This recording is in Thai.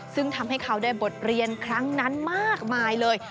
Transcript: ซึ่งทำให้เขาได้บทเรียนครั้งนั้นมากมายเลย